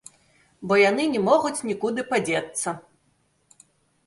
Бо яны не могуць нікуды падзецца.